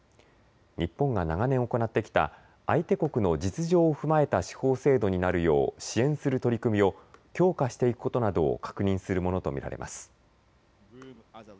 日本が長年行ってきた相手国の実情を踏まえた司法制度になるよう支援する取り組みを強化していくことなどを確認するものと見られます。